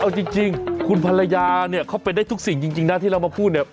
เอาจริงคุณภรรยาเขาเป็นได้ทุกสิ่งจริงหน้าที่เรามาพูด